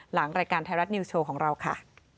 หลังรายการไทยรัฐนิวสโชว์ของเราค่ะ